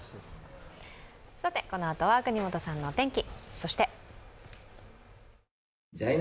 このあとは國本さんのお天気。